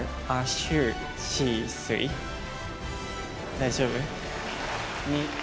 大丈夫？